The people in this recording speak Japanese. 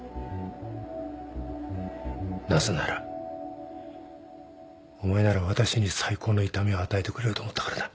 なぜならお前なら私に最高の痛みを与えてくれると思ったからだ。